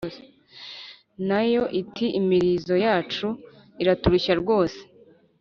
Na yo iti: “Imirizo yacu iraturushya rwose.